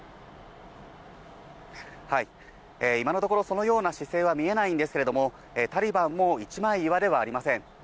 今のところ、そのような姿勢は見えないんですけれども、タリバンも一枚岩ではありません。